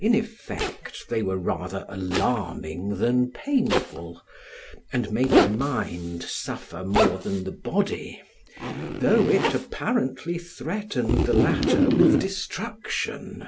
In effect they were rather alarming than painful, and made the mind suffer more than the body, though it apparently threatened the latter with destruction.